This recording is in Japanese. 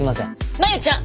真夕ちゃん！